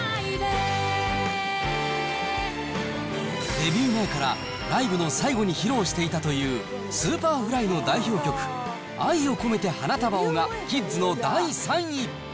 デビュー前からライブの最後に披露していたというＳｕｐｅｒｆｌｙの代表曲、愛をこめて花束をがキッズの第３位。